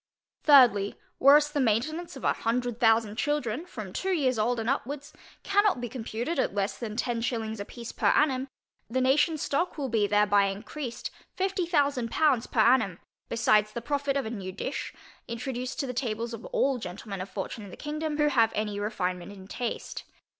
Thirdly, Whereas the maintainance of a hundred thousand children, from two years old, and upwards, cannot be computed at less than ten shillings a piece per annum, the nationŌĆÖs stock will be thereby encreased fifty thousand pounds per annum, besides the profit of a new dish, introduced to the tables of all gentlemen of fortune in the kingdom, who have any refinement in taste.